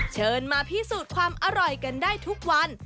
เชิญมาพิสูจน์ความอร่อยกันได้ทุกวัน